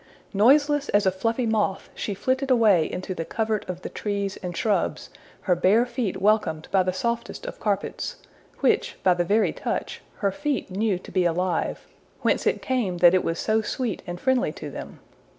Noiseless as a fluffy moth she flitted away into the covert of the trees and shrubs, her bare feet welcomed by the softest of carpets, which, by the very touch, her feet knew to be alive, whence it came that it was so sweet and friendly to them.